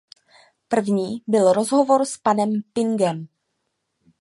První byl rozhovor s panem Pingem.